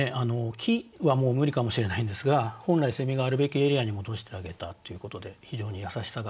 木はもう無理かもしれないんですが本来があるべきエリアに戻してあげたということで非常に優しさが。